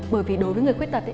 bởi vì đối với người khuyết tật